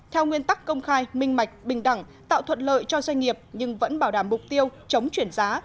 theo nguyên tắc công khai minh mạch bình đẳng tạo thuận lợi cho doanh nghiệp nhưng vẫn bảo đảm mục tiêu chống chuyển giá